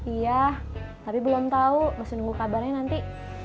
iya tapi belum tahu masih nunggu kabarnya nanti